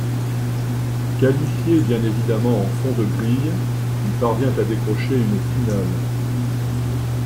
Qualifié bien évidemment en fond de grille, il parvient à décrocher une finale.